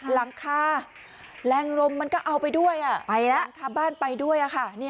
หลังคาแรงลมมันก็เอาไปด้วยอ่ะบ้านไปด้วยอ่ะค่ะ